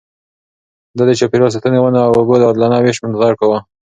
ده د چاپېريال ساتنې، ونو او اوبو د عادلانه وېش ملاتړ کاوه.